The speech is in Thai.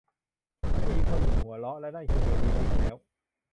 ผู้หญิงคนหนึ่งหัวเราะ และนั่นคือเฮลีนอีกแล้ว